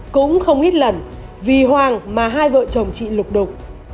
cũng không ít lần vì hoàng mà hai vợ chồng chị lục đục